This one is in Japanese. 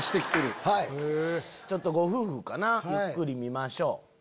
ちょっとご夫婦かなゆっくり見ましょう。